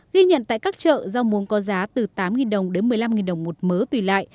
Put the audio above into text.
ghi nhận tại các chợ rau muống có giá từ tám đồng đến một mươi năm đồng một mớ tùy lại